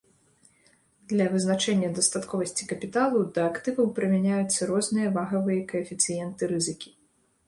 Для вызначэння дастатковасці капіталу да актываў прымяняюцца розныя вагавыя каэфіцыенты рызыкі.